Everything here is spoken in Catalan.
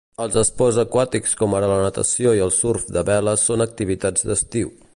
Els esports aquàtics com ara la natació i el surf de vela són activitats d'estiu.